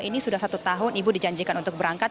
ini sudah satu tahun ibu dijanjikan untuk berangkat